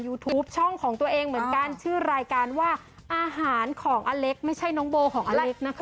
ยูทูปช่องของตัวเองเหมือนกันชื่อรายการว่าอาหารของอเล็กไม่ใช่น้องโบของอเล็กนะคะ